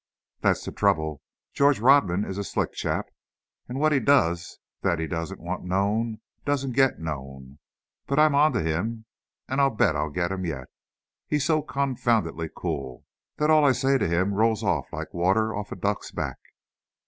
"That's the trouble. George Rodman is a slick chap, and what he does that he doesn't want known, doesn't get known! But I'm onto him! And I'll bet I'll get him yet. He's so comfoundedly cool that all I say to him rolls off like water off a duck's back.